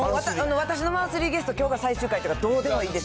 私のマンスリーゲスト、きょうが最終回とかどうでもいいです。